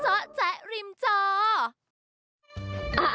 เจ้าแจ๊กริมเจ้า